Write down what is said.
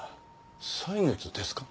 歳月ですか？